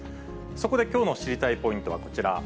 そこできょうの知りたいポイントはこちら。